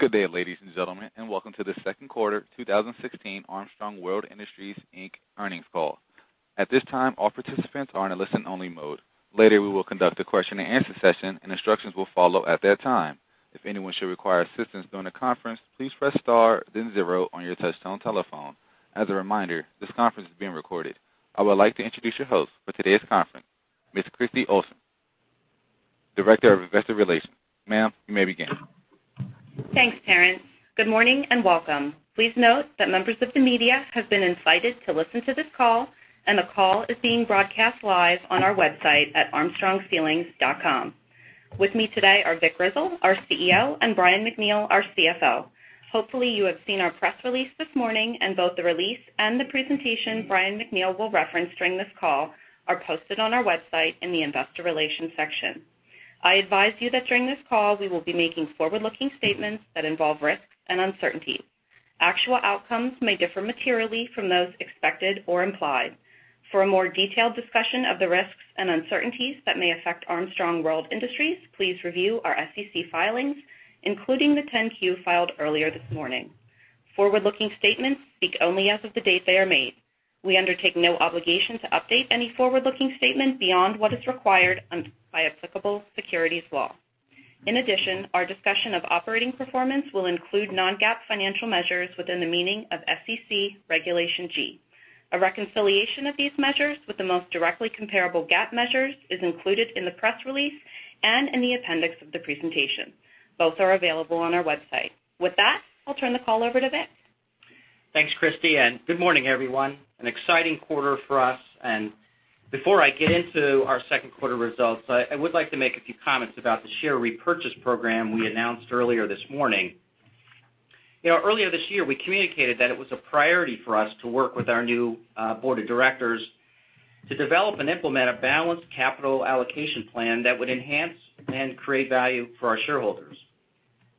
Good day, ladies and gentlemen, and welcome to the second quarter 2016 Armstrong World Industries, Inc. earnings call. At this time, all participants are in a listen-only mode. Later, we will conduct a question-and-answer session, and instructions will follow at that time. If anyone should require assistance during the conference, please press star then zero on your touchtone telephone. As a reminder, this conference is being recorded. I would like to introduce your host for today's conference, Ms. Kristy Oishan, Director of Investor Relations. Ma'am, you may begin. Thanks, Terrence. Good morning and welcome. Please note that members of the media have been invited to listen to this call, and the call is being broadcast live on our website at armstrongceilings.com. With me today are Vic Grizzle, our CEO, and Brian MacNeal, our CFO. Hopefully, you have seen our press release this morning, and both the release and the presentation Brian MacNeal will reference during this call are posted on our website in the Investor Relations section. I advise you that during this call, we will be making forward-looking statements that involve risks and uncertainties. Actual outcomes may differ materially from those expected or implied. For a more detailed discussion of the risks and uncertainties that may affect Armstrong World Industries, please review our SEC filings, including the 10-Q filed earlier this morning. Forward-looking statements speak only as of the date they are made. We undertake no obligation to update any forward-looking statement beyond what is required by applicable securities law. In addition, our discussion of operating performance will include non-GAAP financial measures within the meaning of SEC Regulation G. A reconciliation of these measures with the most directly comparable GAAP measures is included in the press release and in the appendix of the presentation. Both are available on our website. With that, I'll turn the call over to Vic. Thanks, Kristy, good morning, everyone. An exciting quarter for us. Before I get into our second quarter results, I would like to make a few comments about the share repurchase program we announced earlier this morning. Earlier this year, we communicated that it was a priority for us to work with our new board of directors to develop and implement a balanced capital allocation plan that would enhance and create value for our shareholders.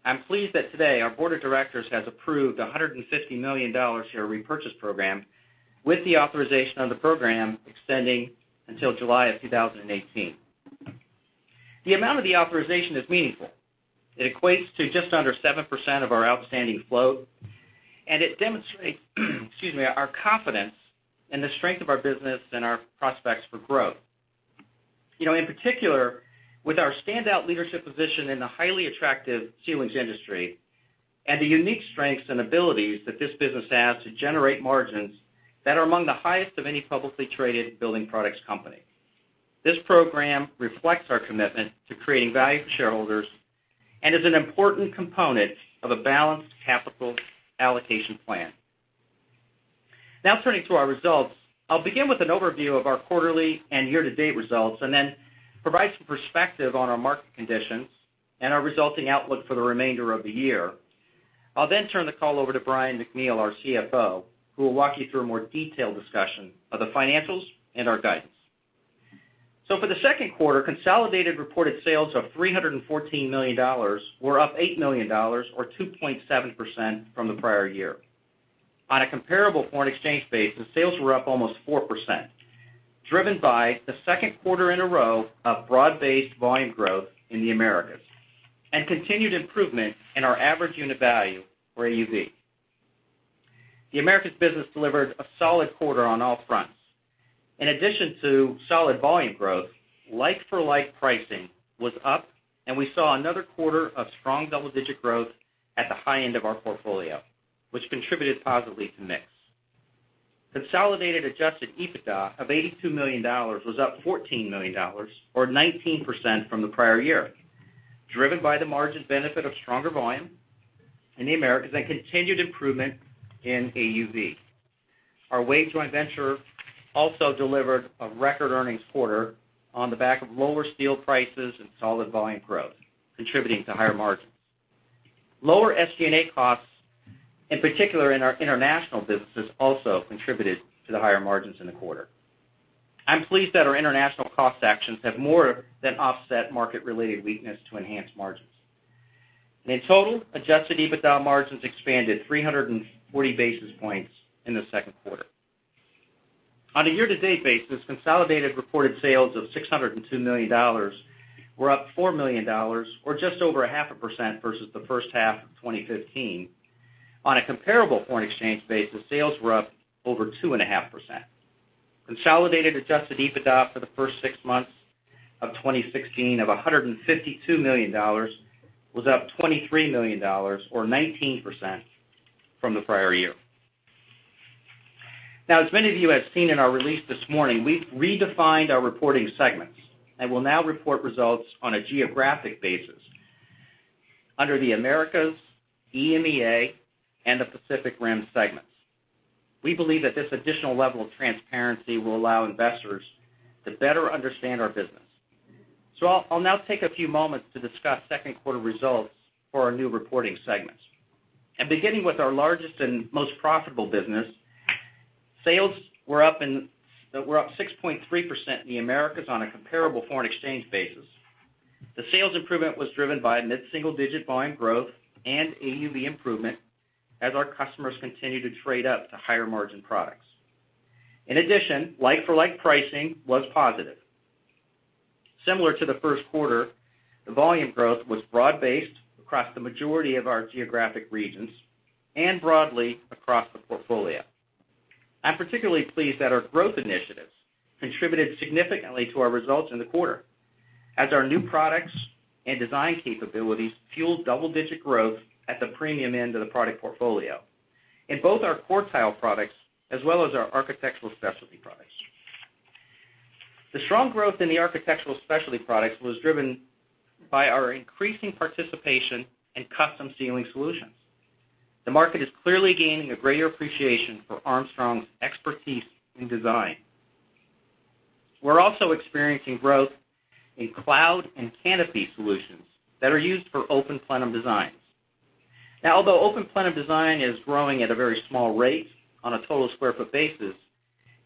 I'm pleased that today our board of directors has approved a $150 million share repurchase program with the authorization of the program extending until July of 2018. The amount of the authorization is meaningful. It equates to just under 7% of our outstanding float, and it demonstrates our confidence in the strength of our business and our prospects for growth. In particular, with our standout leadership position in the highly attractive ceilings industry and the unique strengths and abilities that this business has to generate margins that are among the highest of any publicly traded building products company. This program reflects our commitment to creating value for shareholders and is an important component of a balanced capital allocation plan. Turning to our results. I'll begin with an overview of our quarterly and year-to-date results and then provide some perspective on our market conditions and our resulting outlook for the remainder of the year. I'll then turn the call over to Brian MacNeal, our CFO, who will walk you through a more detailed discussion of the financials and our guidance. For the second quarter, consolidated reported sales of $314 million were up $8 million or 2.7% from the prior year. On a comparable foreign exchange basis, sales were up almost 4%, driven by the second quarter in a row of broad-based volume growth in the Americas and continued improvement in our average unit value, or AUV. The Americas business delivered a solid quarter on all fronts. In addition to solid volume growth, like-for-like pricing was up, and we saw another quarter of strong double-digit growth at the high end of our portfolio, which contributed positively to mix. Consolidated adjusted EBITDA of $82 million was up $14 million, or 19%, from the prior year, driven by the margin benefit of stronger volume in the Americas and continued improvement in AUV. Our WAVE joint venture also delivered a record earnings quarter on the back of lower steel prices and solid volume growth, contributing to higher margins. Lower SG&A costs, in particular in our international businesses, also contributed to the higher margins in the quarter. I'm pleased that our international cost actions have more than offset market-related weakness to enhance margins. In total, adjusted EBITDA margins expanded 340 basis points in the second quarter. On a year-to-date basis, consolidated reported sales of $602 million were up $4 million, or just over a half a percent versus the first half of 2015. On a comparable foreign exchange basis, sales were up over 2.5%. Consolidated adjusted EBITDA for the first six months of 2016 of $152 million was up $23 million, or 19%, from the prior year. As many of you have seen in our release this morning, we've redefined our reporting segments and will now report results on a geographic basis under the Americas, EMEA, and the Pacific Rim segments. We believe that this additional level of transparency will allow investors to better understand our business. I'll now take a few moments to discuss second quarter results for our new reporting segments. Beginning with our largest and most profitable business, sales were up 6.3% in the Americas on a comparable foreign exchange basis. The sales improvement was driven by mid-single-digit volume growth and AUV improvement as our customers continued to trade up to higher-margin products. In addition, like-for-like pricing was positive. Similar to the first quarter, the volume growth was broad-based across the majority of our geographic regions and broadly across the portfolio. I'm particularly pleased that our growth initiatives contributed significantly to our results in the quarter, as our new products and design capabilities fueled double-digit growth at the premium end of the product portfolio in both our core tile products as well as our Architectural Specialties. The strong growth in the Architectural Specialties was driven by our increasing participation in custom ceiling solutions. The market is clearly gaining a greater appreciation for Armstrong's expertise in design. We're also experiencing growth in cloud and canopy solutions that are used for open plenum designs. Although open plenum design is growing at a very small rate on a total sq ft basis,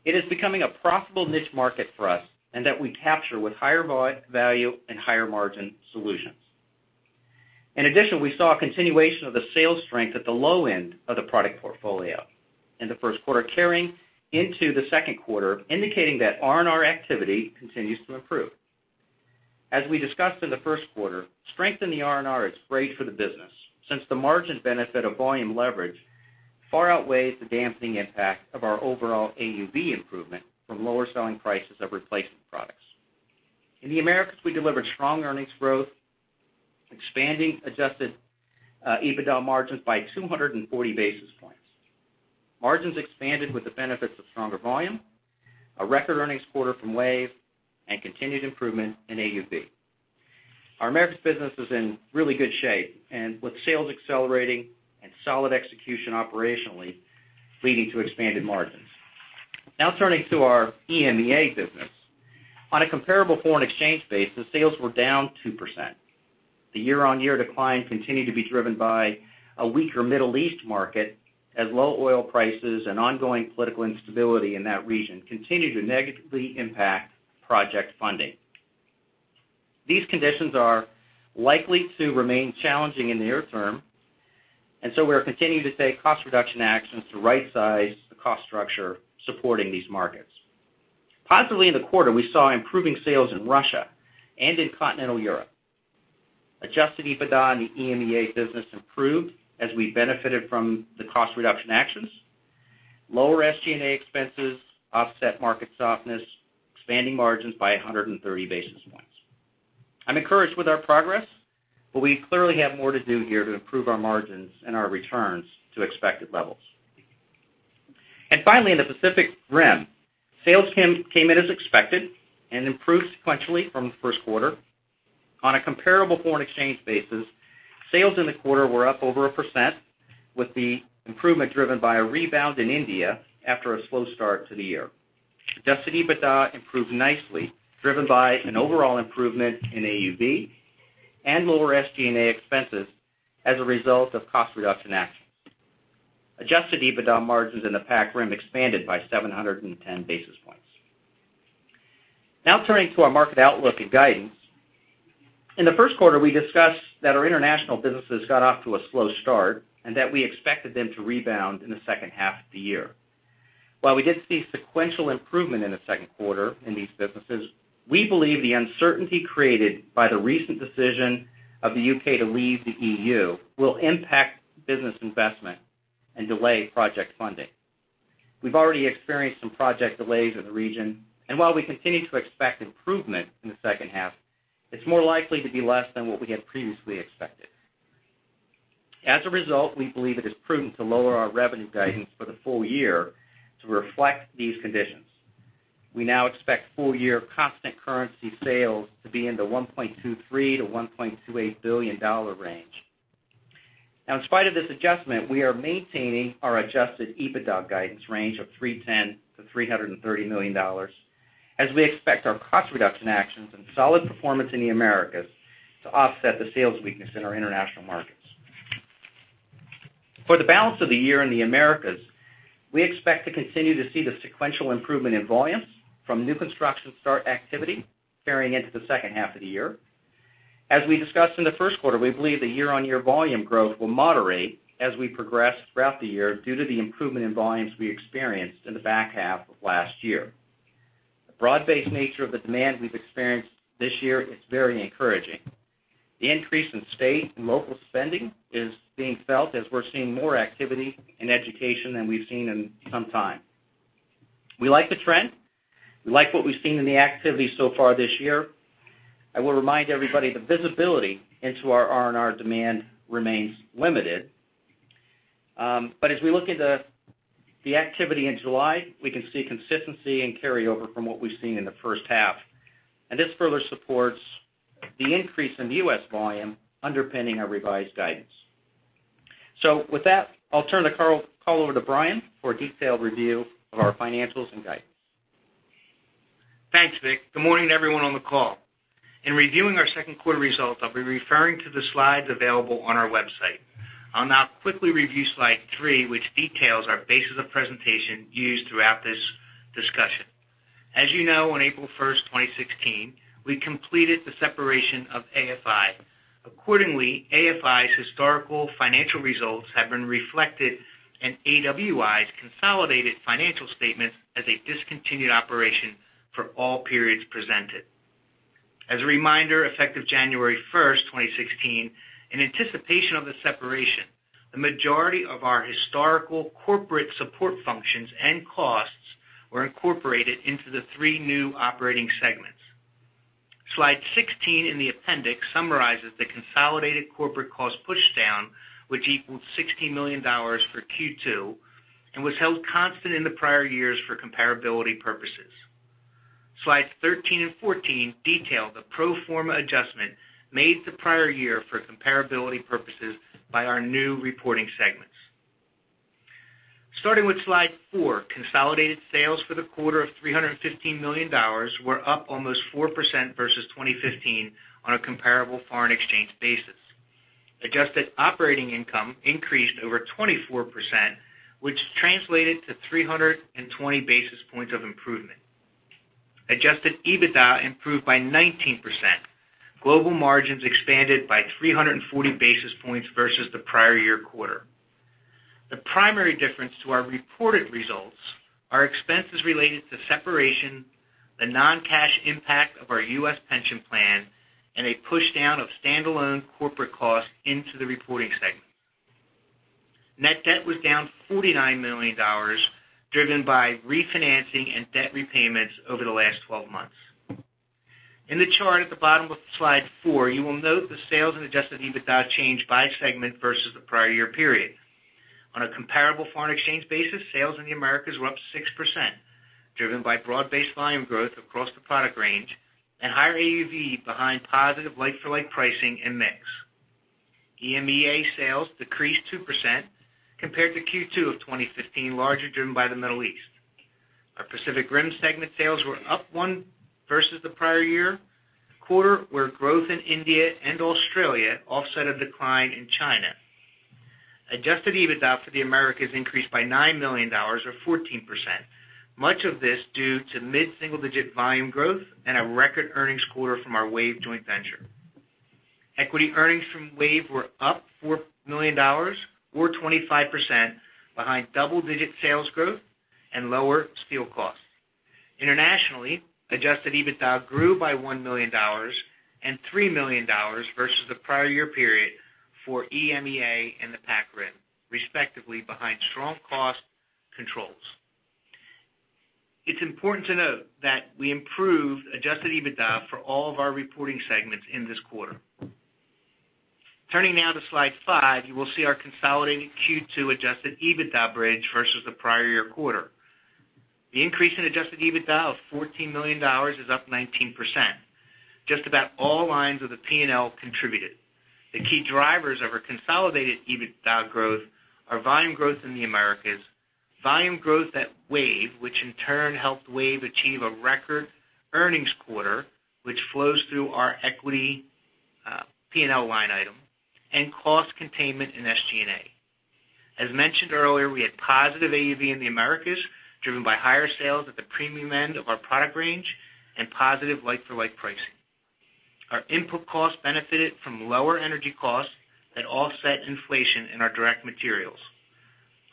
it is becoming a profitable niche market for us and that we capture with higher value and higher margin solutions. In addition, we saw a continuation of the sales strength at the low end of the product portfolio in the first quarter carrying into the second quarter, indicating that R&R activity continues to improve. As we discussed in the first quarter, strength in the R&R is great for the business, since the margin benefit of volume leverage far outweighs the dampening impact of our overall AUV improvement from lower selling prices of replacement products. In the Americas, we delivered strong earnings growth, expanding adjusted EBITDA margins by 240 basis points. Margins expanded with the benefits of stronger volume, a record earnings quarter from WAVE, and continued improvement in AUV. Our Americas business is in really good shape with sales accelerating and solid execution operationally leading to expanded margins. Turning to our EMEA business. On a comparable foreign exchange base, the sales were down 2%. The year-on-year decline continued to be driven by a weaker Middle East market as low oil prices and ongoing political instability in that region continued to negatively impact project funding. These conditions are likely to remain challenging in the near term, so we are continuing to take cost reduction actions to right-size the cost structure supporting these markets. Positively in the quarter, we saw improving sales in Russia and in continental Europe. Adjusted EBITDA in the EMEA business improved as we benefited from the cost reduction actions. Lower SG&A expenses offset market softness, expanding margins by 130 basis points. I'm encouraged with our progress, but we clearly have more to do here to improve our margins and our returns to expected levels. Finally, in the Pacific Rim, sales came in as expected and improved sequentially from the first quarter. On a comparable foreign exchange basis, sales in the quarter were up over 1%, with the improvement driven by a rebound in India after a slow start to the year. Adjusted EBITDA improved nicely, driven by an overall improvement in AUV and lower SG&A expenses as a result of cost reduction actions. Adjusted EBITDA margins in the PAC Rim expanded by 710 basis points. Turning to our market outlook and guidance. In the first quarter, we discussed that our international businesses got off to a slow start and that we expected them to rebound in the second half of the year. While we did see sequential improvement in the second quarter in these businesses, we believe the uncertainty created by the recent decision of the U.K. to leave the EU will impact business investment and delay project funding. We've already experienced some project delays in the region, While we continue to expect improvement in the second half, it's more likely to be less than what we had previously expected. As a result, we believe it is prudent to lower our revenue guidance for the full year to reflect these conditions. We now expect full-year constant currency sales to be in the $1.23 billion-$1.28 billion range. In spite of this adjustment, we are maintaining our adjusted EBITDA guidance range of $310 million-$330 million, as we expect our cost reduction actions and solid performance in the Americas to offset the sales weakness in our international markets. For the balance of the year in the Americas, we expect to continue to see the sequential improvement in volumes from new construction start activity carrying into the second half of the year. As we discussed in the first quarter, we believe the year-on-year volume growth will moderate as we progress throughout the year due to the improvement in volumes we experienced in the back half of last year. The broad-based nature of the demand we've experienced this year is very encouraging. The increase in state and local spending is being felt as we're seeing more activity in education than we've seen in some time. We like the trend. We like what we've seen in the activity so far this year. I will remind everybody the visibility into our R&R demand remains limited. As we look into the activity in July, we can see consistency and carryover from what we've seen in the first half. This further supports the increase in U.S. volume underpinning our revised guidance. With that, I'll turn the call over to Brian for a detailed review of our financials and guidance. Thanks, Vic. Good morning, everyone on the call. In reviewing our second quarter results, I'll be referring to the slides available on our website. I'll now quickly review slide three, which details our basis of presentation used throughout this discussion. As you know, on April 1st, 2016, we completed the separation of AFI. Accordingly, AFI's historical financial results have been reflected in AWI's consolidated financial statements as a discontinued operation for all periods presented. As a reminder, effective January 1st, 2016, in anticipation of the separation, the majority of our historical corporate support functions and costs were incorporated into the three new operating segments. Slide 16 in the appendix summarizes the consolidated corporate cost pushdown, which equaled $16 million for Q2, and was held constant in the prior years for comparability purposes. Slides 13 and 14 detail the pro forma adjustment made to the prior year for comparability purposes by our new reporting segments. Starting with Slide four, consolidated sales for the quarter of $315 million were up almost 4% versus 2015 on a comparable foreign exchange basis. Adjusted operating income increased over 24%, which translated to 320 basis points of improvement. Adjusted EBITDA improved by 19%. Global margins expanded by 340 basis points versus the prior year quarter. The primary difference to our reported results are expenses related to separation, the non-cash impact of our U.S. pension plan, and a pushdown of standalone corporate costs into the reporting segment. Net debt was down $49 million, driven by refinancing and debt repayments over the last 12 months. In the chart at the bottom of Slide four, you will note the sales and adjusted EBITDA change by segment versus the prior year period. On a comparable foreign exchange basis, sales in the Americas were up 6%, driven by broad-based volume growth across the product range and higher AUV behind positive like-for-like pricing and mix. EMEA sales decreased 2% compared to Q2 of 2015, largely driven by the Middle East. Our Pacific Rim segment sales were up one versus the prior year quarter, where growth in India and Australia offset a decline in China. Adjusted EBITDA for the Americas increased by $9 million, or 14%, much of this due to mid-single-digit volume growth and a record earnings quarter from our WAVE joint venture. Equity earnings from WAVE were up $4 million, or 25%, behind double-digit sales growth and lower steel costs. Internationally, adjusted EBITDA grew by $1 million and $3 million versus the prior year period for EMEA and the PAC Rim, respectively behind strong cost controls. It's important to note that we improved adjusted EBITDA for all of our reporting segments in this quarter. Turning now to Slide five, you will see our consolidated Q2 adjusted EBITDA bridge versus the prior year quarter. The increase in adjusted EBITDA of $14 million is up 19%. Just about all lines of the P&L contributed. The key drivers of our consolidated EBITDA growth are volume growth in the Americas, volume growth at WAVE, which in turn helped WAVE achieve a record earnings quarter, which flows through our equity P&L line item, and cost containment in SG&A. As mentioned earlier, we had positive AUV in the Americas, driven by higher sales at the premium end of our product range and positive like-for-like pricing. Our input costs benefited from lower energy costs that offset inflation in our direct materials.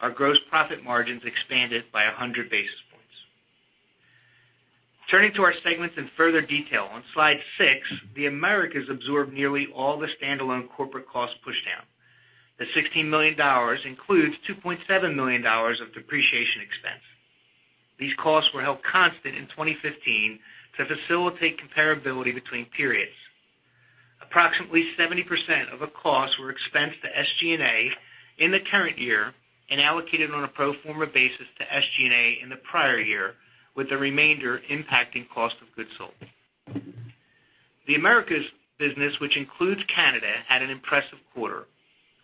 Our gross profit margins expanded by 100 basis points. Turning to our segments in further detail, on Slide six, the Americas absorbed nearly all the standalone corporate cost pushdown. The $16 million includes $2.7 million of depreciation expense. These costs were held constant in 2015 to facilitate comparability between periods. Approximately 70% of the costs were expensed to SG&A in the current year and allocated on a pro forma basis to SG&A in the prior year, with the remainder impacting cost of goods sold. The Americas business, which includes Canada, had an impressive quarter.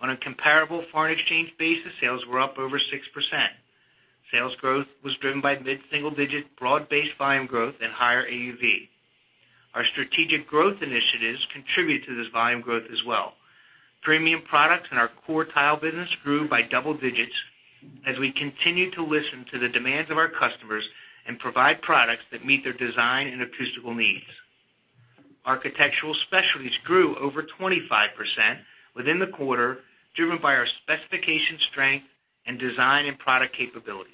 On a comparable foreign exchange basis, sales were up over 6%. Sales growth was driven by mid-single digit broad-based volume growth and higher AUV. Our strategic growth initiatives contributed to this volume growth as well. Premium products in our core tile business grew by double digits as we continued to listen to the demands of our customers and provide products that meet their design and acoustical needs. Architectural Specialties grew over 25% within the quarter, driven by our specification strength and design and product capabilities.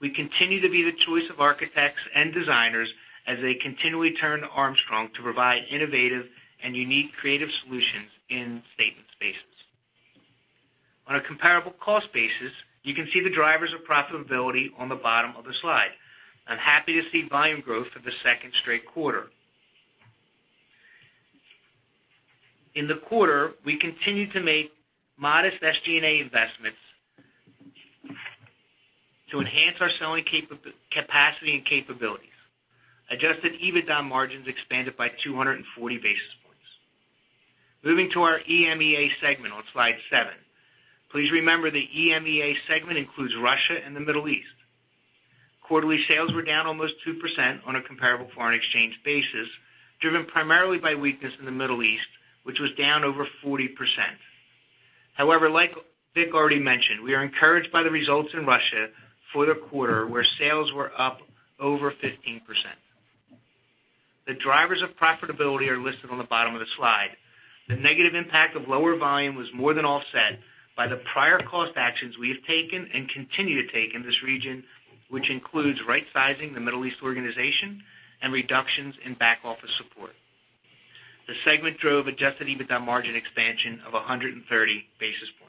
We continue to be the choice of architects and designers as they continually turn to Armstrong to provide innovative and unique creative solutions in statement spaces. On a comparable cost basis, you can see the drivers of profitability on the bottom of the slide. I'm happy to see volume growth for the second straight quarter. In the quarter, we continued to make modest SG&A investments to enhance our selling capacity and capabilities. Adjusted EBITDA margins expanded by 240 basis points. Moving to our EMEA segment on Slide 7. Please remember, the EMEA segment includes Russia and the Middle East. Quarterly sales were down almost 2% on a comparable foreign exchange basis, driven primarily by weakness in the Middle East, which was down over 40%. However, like Vic already mentioned, we are encouraged by the results in Russia for the quarter, where sales were up over 15%. The drivers of profitability are listed on the bottom of the slide. The negative impact of lower volume was more than offset by the prior cost actions we have taken and continue to take in this region, which includes rightsizing the Middle East organization and reductions in back office support. The segment drove adjusted EBITDA margin expansion of 130 basis points.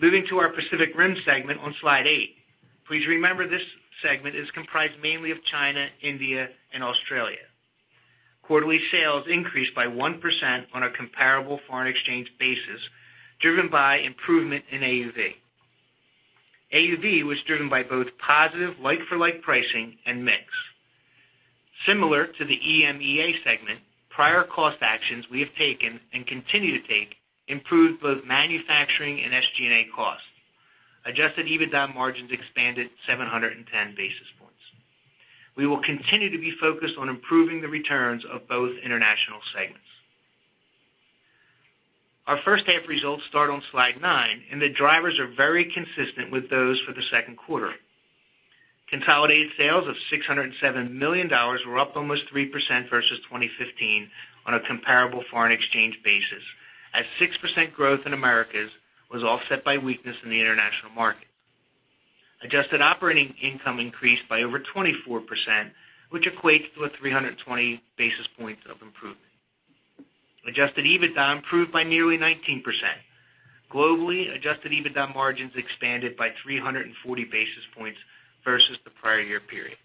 Moving to our Pacific Rim segment on Slide 8. Please remember, this segment is comprised mainly of China, India, and Australia. Quarterly sales increased by 1% on a comparable foreign exchange basis, driven by improvement in AUV. AUV was driven by both positive like-for-like pricing and mix. Similar to the EMEA segment, prior cost actions we have taken and continue to take improved both manufacturing and SG&A costs. Adjusted EBITDA margins expanded 710 basis points. We will continue to be focused on improving the returns of both international segments. Our first-half results start on Slide 9, and the drivers are very consistent with those for the second quarter. Consolidated sales of $607 million were up almost 3% versus 2015 on a comparable foreign exchange basis, as 6% growth in Americas was offset by weakness in the international market. Adjusted operating income increased by over 24%, which equates to a 320 basis points of improvement. Adjusted EBITDA improved by nearly 19%. Globally, adjusted EBITDA margins expanded by 340 basis points versus the prior year period.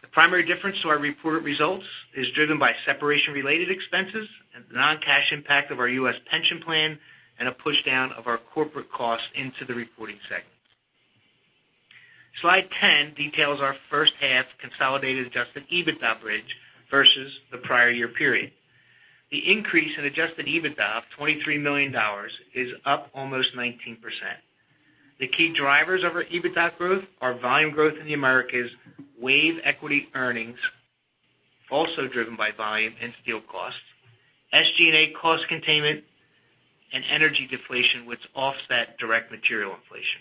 The primary difference to our reported results is driven by separation-related expenses and the non-cash impact of our U.S. pension plan and a pushdown of our corporate costs into the reporting segments. Slide 10 details our first-half consolidated adjusted EBITDA bridge versus the prior year period. The increase in adjusted EBITDA of $23 million is up almost 19%. The key drivers of our EBITDA growth are volume growth in the Americas, WAVE equity earnings, also driven by volume and steel costs, SG&A cost containment, and energy deflation, which offset direct material inflation.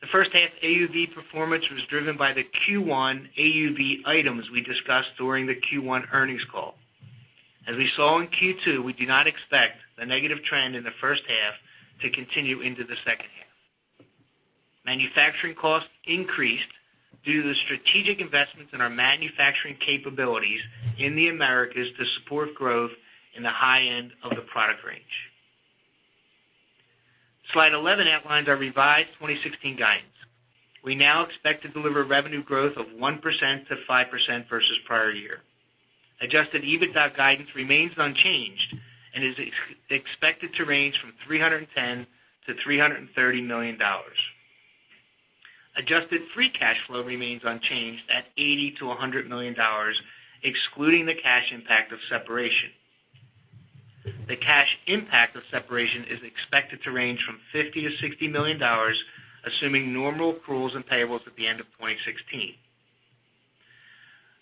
The first-half AUV performance was driven by the Q1 AUV items we discussed during the Q1 earnings call. As we saw in Q2, we do not expect the negative trend in the first half to continue into the second half. Manufacturing costs increased due to the strategic investments in our manufacturing capabilities in the Americas to support growth in the high end of the product range. Slide 11 outlines our revised 2016 guidance. We now expect to deliver revenue growth of 1%-5% versus prior year. Adjusted EBITDA guidance remains unchanged and is expected to range from $310 million-$330 million. Adjusted free cash flow remains unchanged at $80 million-$100 million, excluding the cash impact of separation. The cash impact of separation is expected to range from $50 million-$60 million, assuming normal accruals and payables at the end of 2016.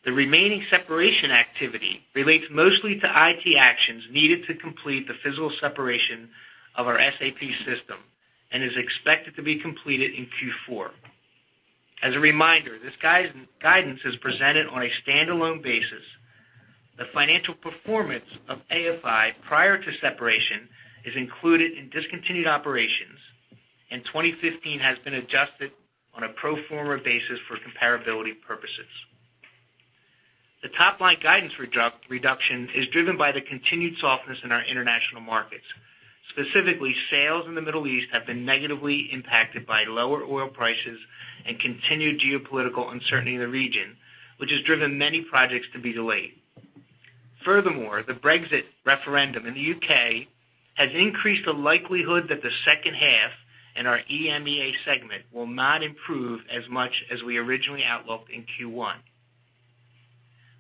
The remaining separation activity relates mostly to IT actions needed to complete the physical separation of our SAP system and is expected to be completed in Q4. As a reminder, this guidance is presented on a standalone basis. The financial performance of AFI prior to separation is included in discontinued operations, and 2015 has been adjusted on a pro forma basis for comparability purposes. The top-line guidance reduction is driven by the continued softness in our international markets. Specifically, sales in the Middle East have been negatively impacted by lower oil prices and continued geopolitical uncertainty in the region, which has driven many projects to be delayed. Furthermore, the Brexit referendum in the U.K. has increased the likelihood that the second half and our EMEA segment will not improve as much as we originally outlooked in Q1.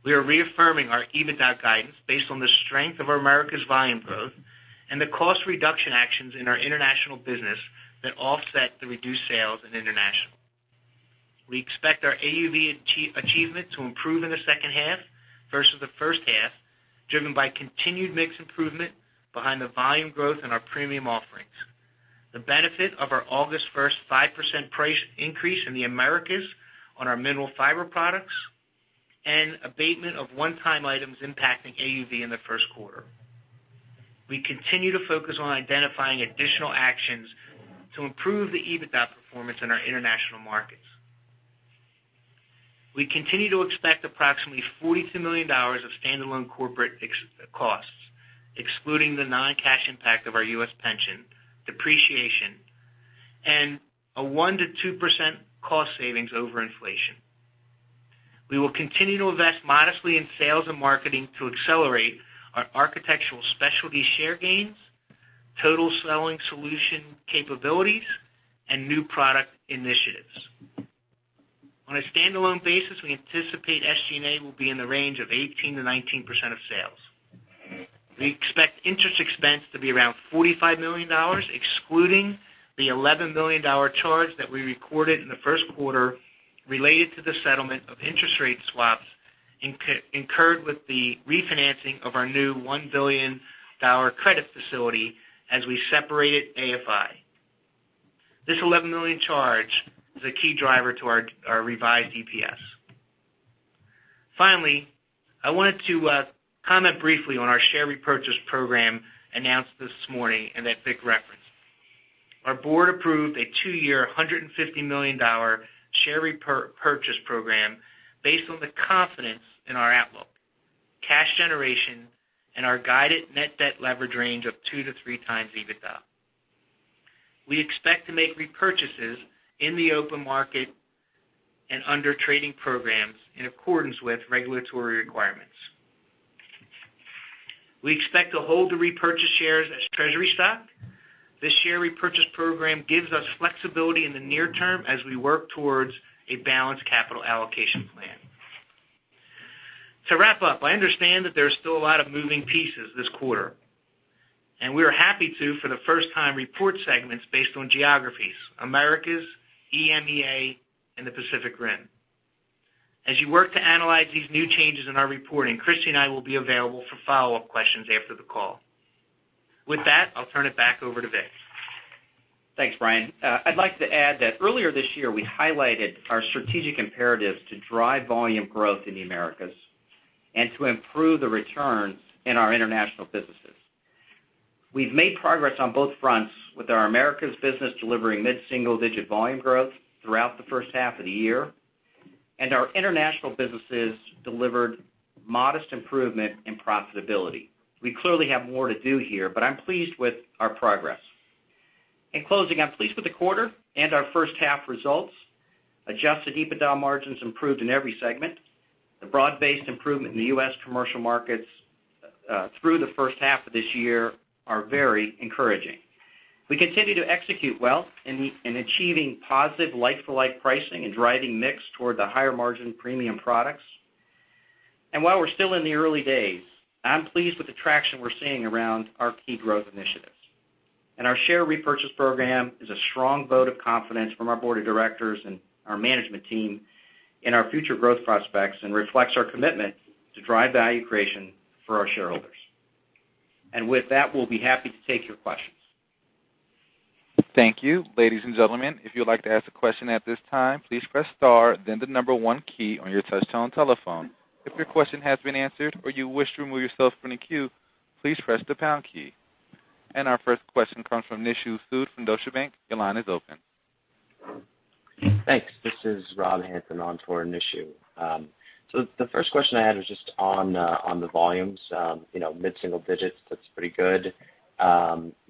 We are reaffirming our EBITDA guidance based on the strength of our Americas volume growth and the cost reduction actions in our international business that offset the reduced sales in international. We expect our AUV achievement to improve in the second half versus the first half, driven by continued mix improvement behind the volume growth in our premium offerings. The benefit of our August 1st 5% price increase in the Americas on our mineral fiber products and abatement of one-time items impacting AUV in the first quarter. We continue to focus on identifying additional actions to improve the EBITDA performance in our international markets. We continue to expect approximately $42 million of standalone corporate costs, excluding the non-cash impact of our U.S. pension, depreciation, and a 1%-2% cost savings over inflation. We will continue to invest modestly in sales and marketing to accelerate our Architectural Specialties share gains, total selling solution capabilities, and new product initiatives. On a standalone basis, we anticipate SG&A will be in the range of 18%-19% of sales. We expect interest expense to be around $45 million, excluding the $11 million charge that we recorded in the first quarter related to the settlement of interest rate swaps incurred with the refinancing of our new $1 billion credit facility as we separated AFI. This $11 million charge is a key driver to our revised EPS. Finally, I wanted to comment briefly on our share repurchase program announced this morning and that Vic referenced. Our board approved a two-year, $150 million share repurchase program based on the confidence in our outlook, cash generation, and our guided net debt leverage range of two to three times EBITDA. We expect to make repurchases in the open market and under trading programs in accordance with regulatory requirements. We expect to hold the repurchased shares as treasury stock. This share repurchase program gives us flexibility in the near term as we work towards a balanced capital allocation plan. To wrap up, I understand that there's still a lot of moving pieces this quarter. We are happy to, for the first time, report segments based on geographies, Americas, EMEA, and the Pacific Rim. As you work to analyze these new changes in our reporting, Kristy and I will be available for follow-up questions after the call. With that, I'll turn it back over to Vic. Thanks, Brian. I'd like to add that earlier this year, we highlighted our strategic imperatives to drive volume growth in the Americas and to improve the returns in our international businesses. We've made progress on both fronts with our Americas business delivering mid-single-digit volume growth throughout the first half of the year. Our international businesses delivered modest improvement in profitability. We clearly have more to do here, but I'm pleased with our progress. In closing, I'm pleased with the quarter and our first-half results. Adjusted EBITDA margins improved in every segment. The broad-based improvement in the U.S. commercial markets through the first half of this year are very encouraging. We continue to execute well in achieving positive like-for-like pricing and driving mix toward the higher margin premium products. While we're still in the early days, I'm pleased with the traction we're seeing around our key growth initiatives. Our share repurchase program is a strong vote of confidence from our board of directors and our management team in our future growth prospects and reflects our commitment to drive value creation for our shareholders. With that, we'll be happy to take your questions. Thank you. Ladies and gentlemen, if you'd like to ask a question at this time, please press star then the number one key on your touchtone telephone. If your question has been answered or you wish to remove yourself from the queue, please press the pound key. Our first question comes from Nishu Sood from Deutsche Bank. Your line is open. Thanks. This is Rob Hansen on for Nishu. The first question I had was just on the volumes. Mid-single digits, that's pretty good.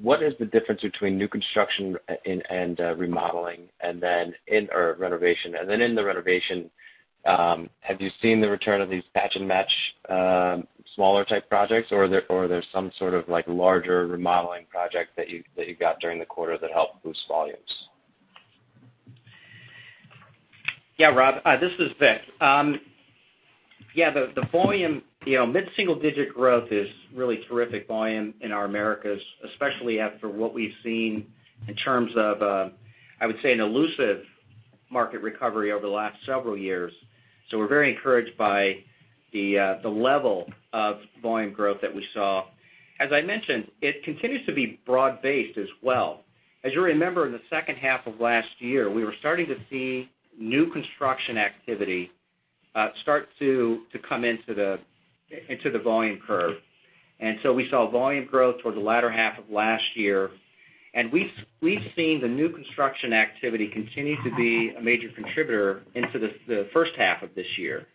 What is the difference between new construction and remodeling, or renovation? Then in the renovation, have you seen the return of these patch-and-match, smaller type projects, or are there some sort of larger remodeling projects that you got during the quarter that helped boost volumes? Yeah, Rob. This is Vic. The volume, mid-single digit growth is really terrific volume in our Americas, especially after what we've seen in terms of, I would say, an elusive market recovery over the last several years. We're very encouraged by the level of volume growth that we saw. As I mentioned, it continues to be broad-based as well. As you remember, in the second half of last year, we were starting to see new construction activity start to come into the volume curve. We saw volume growth toward the latter half of last year, and we've seen the new construction activity continue to be a major contributor into the first half of this year.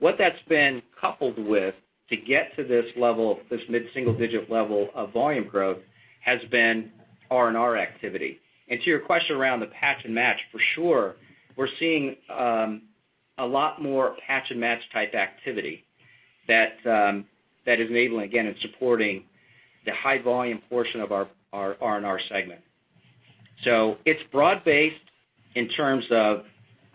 What that's been coupled with to get to this mid-single digit level of volume growth has been R&R activity. To your question around the patch-and-match, for sure, we're seeing a lot more patch-and-match type activity that is enabling, again, and supporting the high volume portion of our R&R segment. It's broad-based in terms of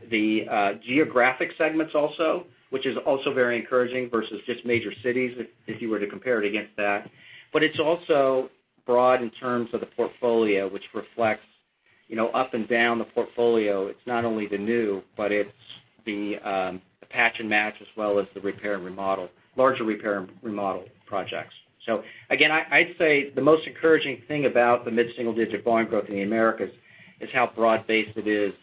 the geographic segments also, which is also very encouraging versus just major cities, if you were to compare it against that. It's also broad in terms of the portfolio, which reflects up and down the portfolio. It's not only the new, but it's the patch-and-match as well as the larger repair and remodel projects. Again, I'd say the most encouraging thing about the mid-single digit volume growth in the Americas is how broad-based it is.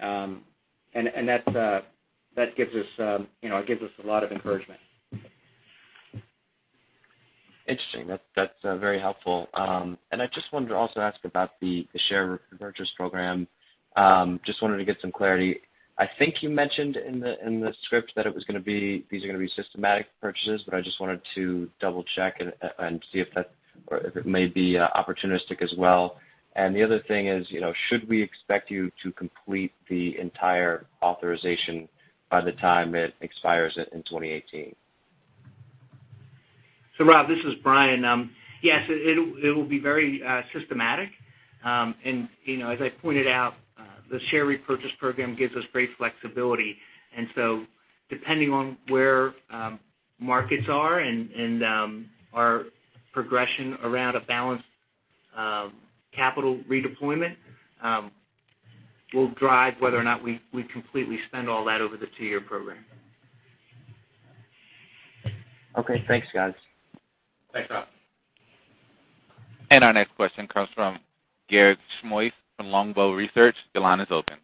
That gives us a lot of encouragement. Interesting. That's very helpful. I just wanted to also ask about the share repurchase program. Just wanted to get some clarity. I think you mentioned in the script that these are going to be systematic purchases, but I just wanted to double check and see if it may be opportunistic as well. The other thing is, should we expect you to complete the entire authorization by the time it expires in 2018? Rob, this is Brian. Yes, it will be very systematic. As I pointed out, the share repurchase program gives us great flexibility. Depending on where markets are and our progression around a balanced capital redeployment Will drive whether or not we completely spend all that over the two-year program. Okay, thanks guys. Thanks, Rob. Our next question comes from Garik Shmois from Longbow Research. Your line is open.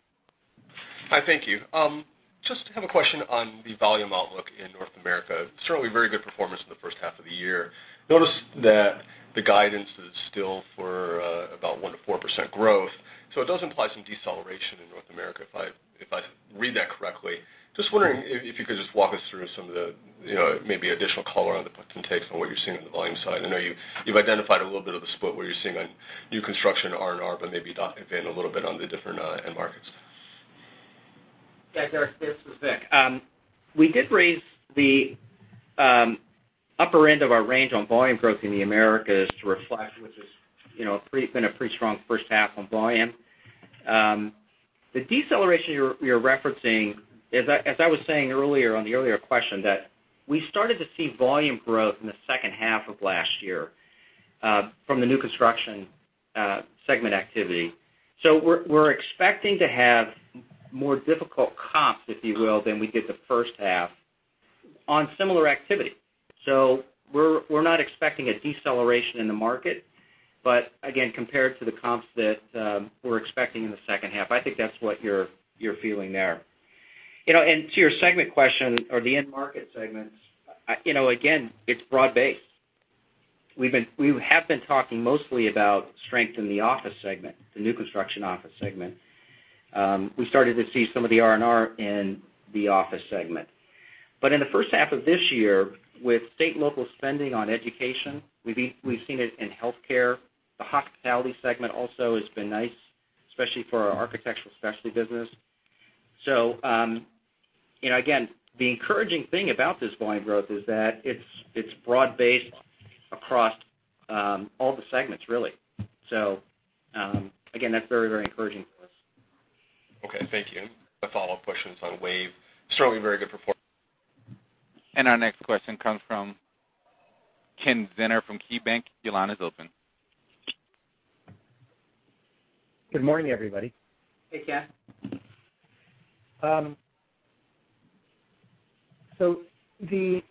Hi, thank you. Just have a question on the volume outlook in North America. Certainly very good performance in the first half of the year. Notice that the guidance is still for about 1% to 4% growth. It does imply some deceleration in North America, if I read that correctly. Just wondering if you could just walk us through some of the maybe additional color on the puts and takes on what you're seeing on the volume side. I know you've identified a little bit of a split what you're seeing on new construction R&R, but maybe dive in a little bit on the different end markets. Yeah, Garik, this is Vic. We did raise the upper end of our range on volume growth in the Americas to reflect, which has been a pretty strong first half on volume. The deceleration you're referencing, as I was saying earlier on the earlier question, that we started to see volume growth in the second half of last year from the new construction segment activity. We're expecting to have more difficult comps, if you will, than we did the first half on similar activity. We're not expecting a deceleration in the market, but again, compared to the comps that we're expecting in the second half, I think that's what you're feeling there. To your segment question or the end market segments, again, it's broad-based. We have been talking mostly about strength in the office segment, the new construction office segment. We started to see some of the R&R in the office segment. In the first half of this year, with state and local spending on education, we've seen it in healthcare. The hospitality segment also has been nice, especially for our Architectural Specialties business. Again, the encouraging thing about this volume growth is that it's broad-based across all the segments, really. Again, that's very encouraging for us. Okay, thank you. A follow-up question on WAVE. Certainly very good performance. Our next question comes from Ken Zener from KeyBanc. Your line is open. Good morning, everybody. Hey, Ken. The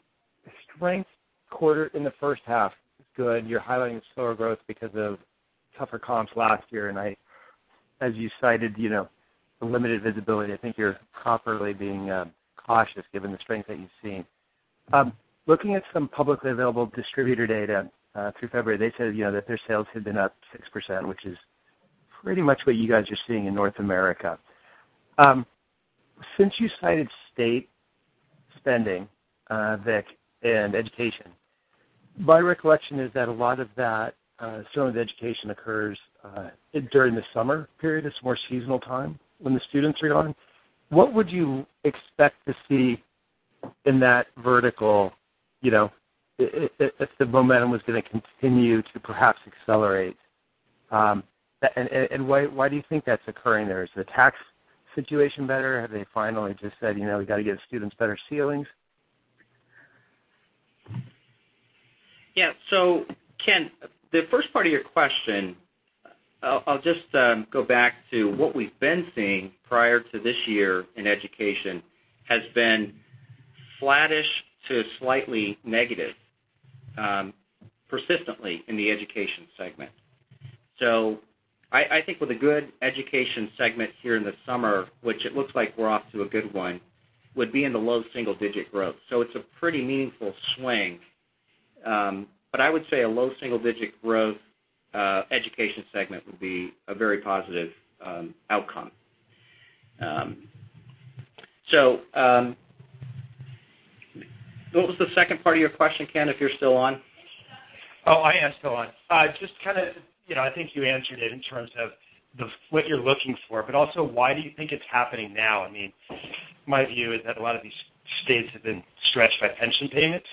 strength quarter in the first half is good. You're highlighting slower growth because of tougher comps last year, and as you cited, the limited visibility. I think you're properly being cautious given the strength that you've seen. Looking at some publicly available distributor data through February, they said that their sales had been up 6%, which is pretty much what you guys are seeing in North America. Since you cited state spending, Vic, and education, my recollection is that a lot of that, some of the education occurs during the summer period. It's a more seasonal time when the students are on. What would you expect to see in that vertical if the momentum was going to continue to perhaps accelerate? Why do you think that's occurring there? Is the tax situation better? Have they finally just said, "We got to give students better ceilings"? Yeah. Ken, the first part of your question, I'll just go back to what we've been seeing prior to this year in education has been flattish to slightly negative persistently in the education segment. I think with a good education segment here in the summer, which it looks like we're off to a good one, would be in the low single-digit growth. It's a pretty meaningful swing. I would say a low single-digit growth education segment would be a very positive outcome. What was the second part of your question, Ken, if you're still on? Oh, I am still on. Just I think you answered it in terms of what you're looking for, but also why do you think it's happening now? My view is that a lot of these states have been stretched by pension payments,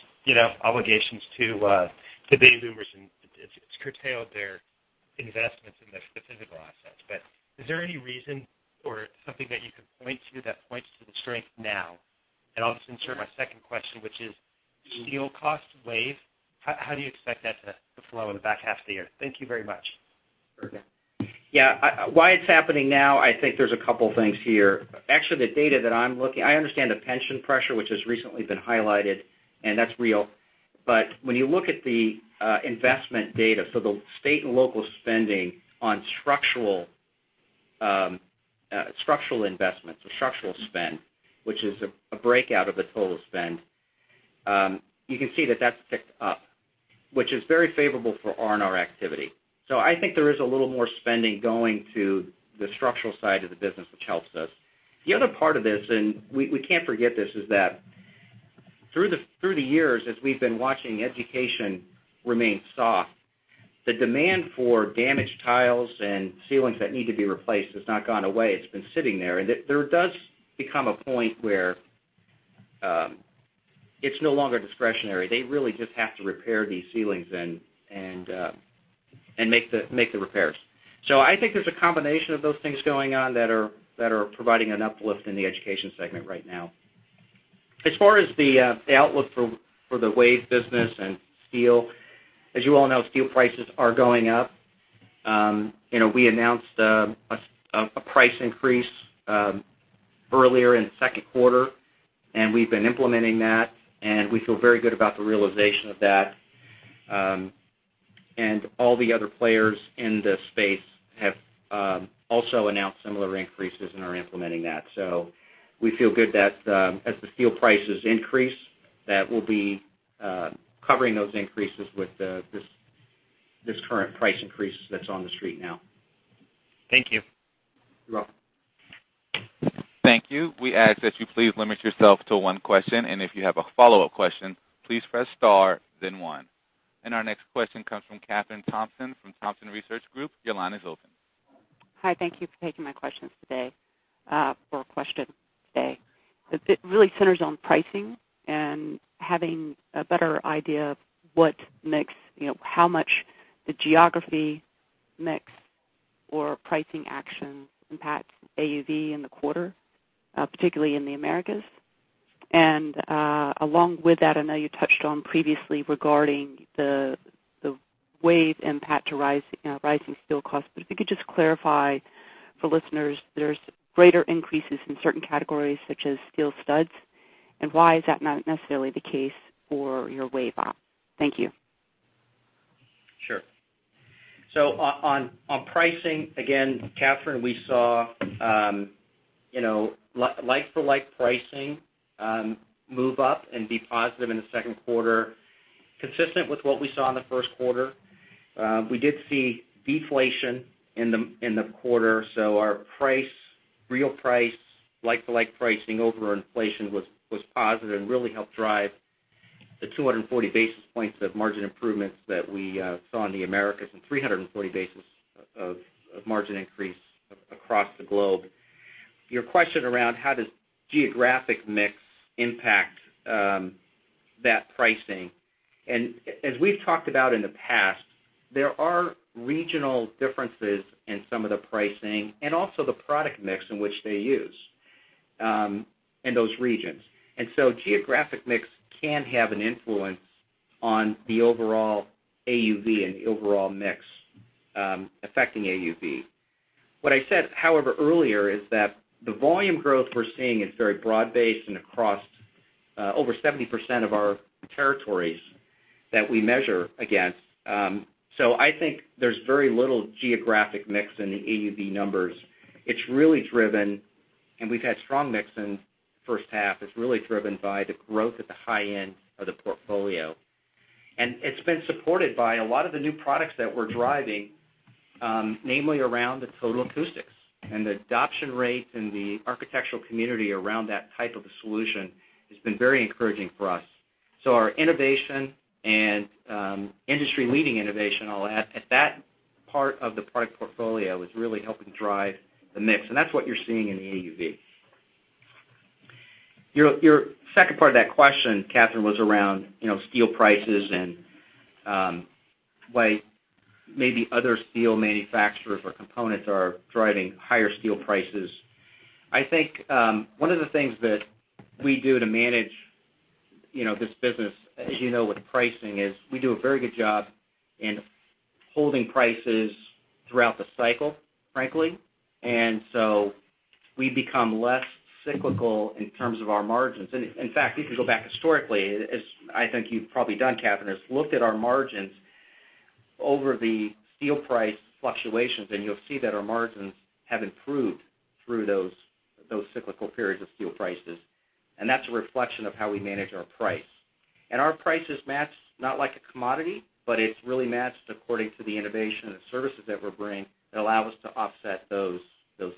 obligations to baby boomers, and it's curtailed their investments in the physical assets. Is there any reason or something that you could point to that points to the strength now? I'll just insert my second question, which is steel cost WAVE. How do you expect that to flow in the back half of the year? Thank you very much. Sure. Yeah. Why it's happening now, I think there's a couple things here. Actually, the data that I'm looking. I understand the pension pressure, which has recently been highlighted, and that's real. When you look at the investment data, so the state and local spending on structural investments or structural spend, which is a breakout of the total spend, you can see that that's ticked up, which is very favorable for R&R activity. I think there is a little more spending going to the structural side of the business, which helps us. The other part of this, and we can't forget this, is that through the years, as we've been watching education remain soft, the demand for damaged tiles and ceilings that need to be replaced has not gone away. It's been sitting there, and there does become a point where it's no longer discretionary. They really just have to repair these ceilings and make the repairs. I think there's a combination of those things going on that are providing an uplift in the education segment right now. As far as the outlook for the WAVE business and steel, as you all know, steel prices are going up. We announced a price increase earlier in the second quarter, and we've been implementing that, and we feel very good about the realization of that. All the other players in this space have also announced similar increases and are implementing that. We feel good that as the steel prices increase, that we'll be covering those increases with this current price increase that's on the street now. Thank you. You're welcome. Thank you. We ask that you please limit yourself to one question, and if you have a follow-up question, please press star then one. Our next question comes from Kathryn Thompson from Thompson Research Group. Your line is open. Hi. Thank you for taking my questions today. It really centers on pricing and having a better idea of how much the geography mix or pricing actions impact AUV in the quarter, particularly in the Americas. Along with that, I know you touched on previously regarding the WAVE impact to rising steel costs, but if you could just clarify for listeners, there's greater increases in certain categories such as steel studs, and why is that not necessarily the case for your WAVE op? Thank you. Sure. On pricing, again, Kathryn, we saw like for like pricing, move up and be positive in the second quarter, consistent with what we saw in the first quarter. We did see deflation in the quarter. Our real price, like for like pricing over inflation was positive and really helped drive the 240 basis points of margin improvements that we saw in the Americas and 340 basis of margin increase across the globe. Your question around how does geographic mix impact that pricing. As we've talked about in the past, there are regional differences in some of the pricing and also the product mix in which they use in those regions. Geographic mix can have an influence on the overall AUV and the overall mix, affecting AUV. What I said, however, earlier is that the volume growth we're seeing is very broad-based and across over 70% of our territories that we measure against. I think there's very little geographic mix in the AUV numbers. It's really driven, and we've had strong mix in the first half. It's really driven by the growth at the high end of the portfolio. It's been supported by a lot of the new products that we're driving, namely around the Total Acoustics. The adoption rates in the architectural community around that type of a solution has been very encouraging for us. Our innovation and industry-leading innovation, I'll add at that part of the product portfolio is really helping drive the mix. That's what you're seeing in the AUV. Your second part of that question, Kathryn, was around steel prices and why maybe other steel manufacturers or components are driving higher steel prices. I think one of the things that we do to manage this business, as you know with pricing is we do a very good job in holding prices throughout the cycle, frankly. We become less cyclical in terms of our margins. In fact, you can go back historically, as I think you've probably done, Kathryn, is looked at our margins over the steel price fluctuations, and you'll see that our margins have improved through those cyclical periods of steel prices. That's a reflection of how we manage our price. Our prices match not like a commodity, it's really matched according to the innovation and the services that we're bringing that allow us to offset those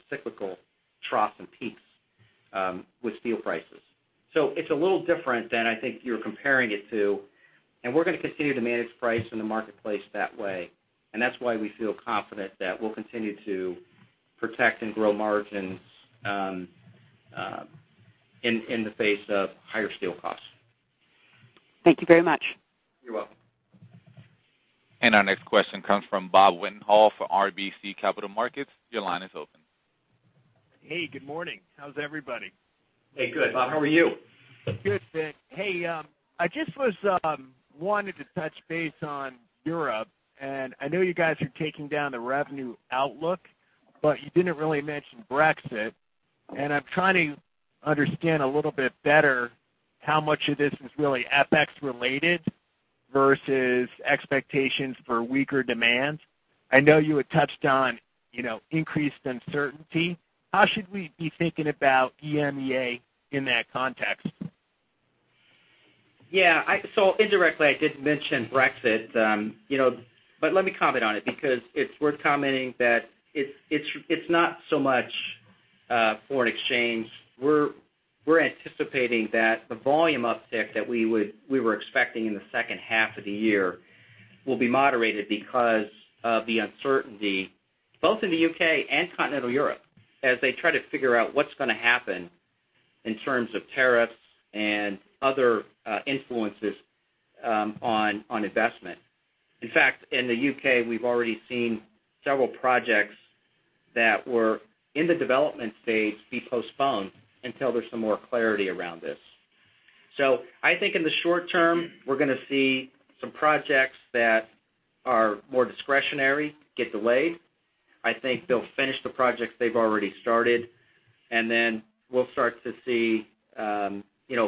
cyclical troughs and peaks with steel prices. It's a little different than I think you're comparing it to, and we're going to continue to manage price in the marketplace that way, and that's why we feel confident that we'll continue to protect and grow margins in the face of higher steel costs. Thank you very much. You're welcome. Our next question comes from Bob Wetenhall for RBC Capital Markets. Your line is open. Hey, good morning. How's everybody? Hey, good, Bob. How are you? Good, thanks. Hey, I just wanted to touch base on Europe. I know you guys are taking down the revenue outlook. You didn't really mention Brexit, and I'm trying to understand a little bit better how much of this is really FX related versus expectations for weaker demand. I know you had touched on increased uncertainty. How should we be thinking about EMEA in that context? Yeah. Indirectly, I did mention Brexit. Let me comment on it because it's worth commenting that it's not so much foreign exchange. We're anticipating that the volume uptick that we were expecting in the second half of the year will be moderated because of the uncertainty, both in the U.K. and continental Europe, as they try to figure out what's going to happen in terms of tariffs and other influences on investment. In fact, in the U.K., we've already seen several projects that were in the development stage be postponed until there's some more clarity around this. I think in the short term, we're going to see some projects that are more discretionary get delayed. I think they'll finish the projects they've already started. Then we'll start to see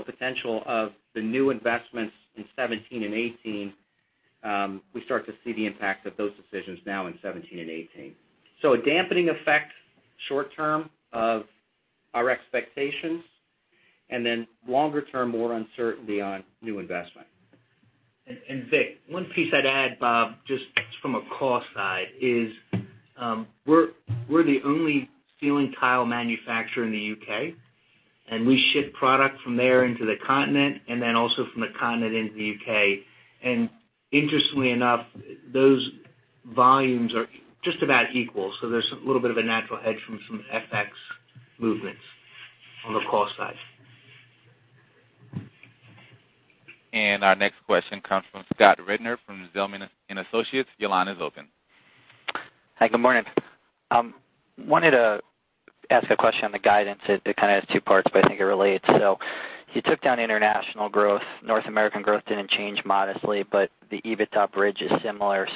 potential of the new investments in 2017 and 2018. We start to see the impact of those decisions now in 2017 and 2018. A dampening effect short term of our expectations, then longer term, more uncertainty on new investment. Vic, one piece I'd add, Bob, just from a cost side is, we're the only ceiling tile manufacturer in the U.K., and we ship product from there into the continent and then also from the continent into the U.K. Interestingly enough, those volumes are just about equal, so there's a little bit of a natural hedge from some FX movements on the cost side. Our next question comes from Scott Rednor from Zelman & Associates. Your line is open. Hi, good morning. Wanted to ask a question on the guidance. It kind of has two parts, but I think it relates. You took down international growth. North American growth didn't change modestly, but the EBITDA bridge is similar.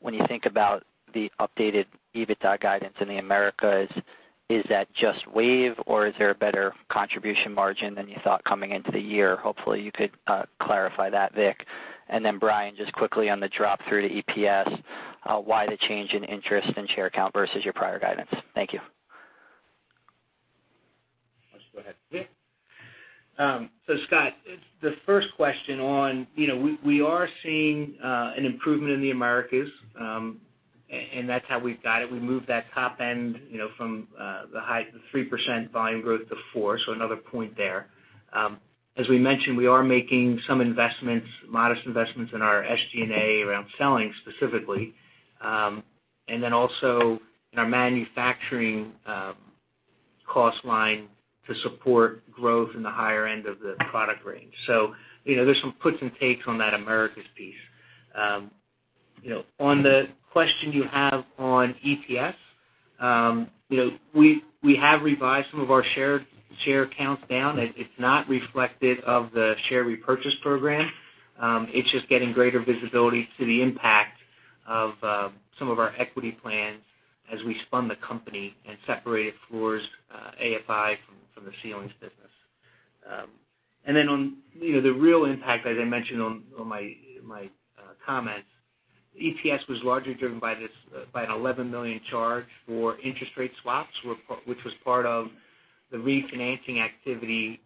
When you think about the updated EBITDA guidance in the Americas, is that just WAVE or is there a better contribution margin than you thought coming into the year? Hopefully, you could clarify that, Vic. Then Brian, just quickly on the drop through to EPS, why the change in interest and share count versus your prior guidance? Thank you. Why don't you go ahead, Vic? Scott, the first question on, we are seeing an improvement in the Americas, and that's how we've guided. We moved that top end from the 3% volume growth to 4%, so another point there. As we mentioned, we are making some modest investments in our SG&A around selling specifically, and then also in our manufacturing cost line to support growth in the higher end of the product range. There's some puts and takes on that Americas piece. On the question you have on EPS, we have revised some of our share counts down. It's not reflective of the share repurchase program. It's just getting greater visibility to the impact of some of our equity plans as we spun the company and separated floors AFI from the ceilings business. On the real impact, as I mentioned on my comments, EPS was largely driven by an $11 million charge for interest rate swaps which was part of the refinancing activity